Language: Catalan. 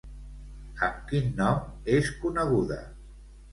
Amb quin nom és coneguda?